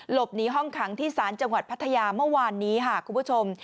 หลบหนีห้องขังที่ศาลจังหวัดพัทยาเมื่อวานนี้ค่ะคุณผู้ชม